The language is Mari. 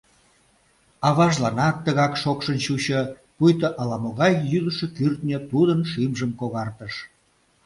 Аважланат тыгак шокшын чучо, пуйто ала-могай йӱлышӧ кӱртньӧ тудын шӱмжым когартыш.